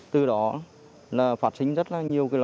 từ đó là phát sinh rất là nhiều